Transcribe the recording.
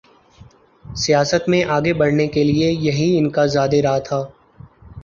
سیاست میں آگے بڑھنے کے لیے یہی ان کا زاد راہ تھا۔